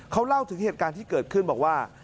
เขาเล่าถึงเหตุการณ์ที่เกิดขึ้นบอกว่า